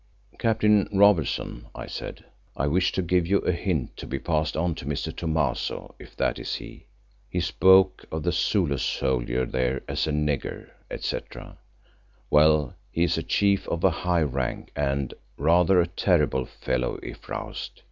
"Captain Robertson," I said, "I wish to give you a hint to be passed on to Mr. Thomaso, if that is he. He spoke of the Zulu soldier there as a nigger, etc. Well, he is a chief of a high rank and rather a terrible fellow if roused.